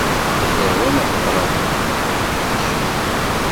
A tarwa n Abraham, aqeddac-is.